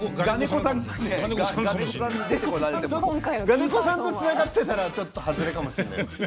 我如古さんとつながってたらちょっとハズレかもしれないです。